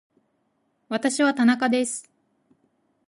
私は田中です